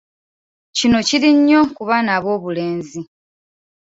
Kino kiri nnyo ku baana ab'obulenzi.